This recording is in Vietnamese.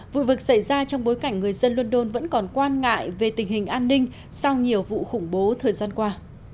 vụ vực xảy ra trong bối cảnh người dân london vẫn còn quan ngại về tình hình an ninh sau nhiều vụ khủng bố thời gian qua